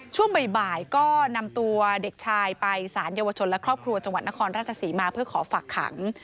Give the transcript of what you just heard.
ช่วงบ่ายก็นำตัวเด็กชายไปสารเยาวชนและครอบครัวจังหวัดนครราชศรีมาเพื่อขอฝากขัง